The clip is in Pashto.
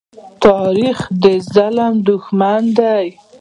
تاریخ د ظلم دښمن دی.